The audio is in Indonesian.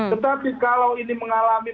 tetapi kalau ini mengalami